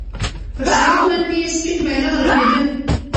پر سړک باندې سپین بیرغ رپېده.